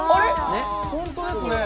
本当ですね。